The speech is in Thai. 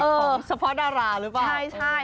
ของสภาพดาราหรือเปล่าใช่